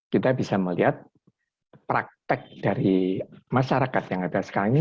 kita bisa melihat praktek dari masyarakat yang ada sekarang ini